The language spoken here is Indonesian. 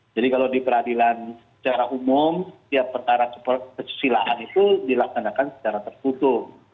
jadi kalau di peradilan secara umum setiap pertaraan kesusilaan itu dilaksanakan secara tertutup